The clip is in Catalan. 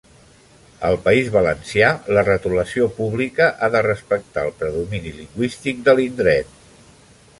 Al País Valencià, la retolació pública ha de respectar el predomini lingüístic de l'indret.